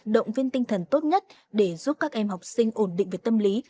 động viên tinh thần tốt nhất để giúp các em học sinh ổn định về tâm lý